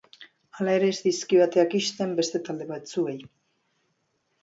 Hala ere, ez dizkio ateak ixten beste talde batzuei.